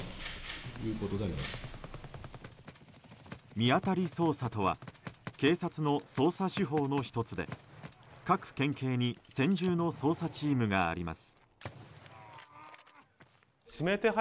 見当たり捜査とは警察の捜査手法の１つで各県警に専従の捜査チームがあります。